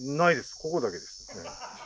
ここだけですね。